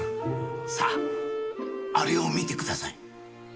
さああれを見てください。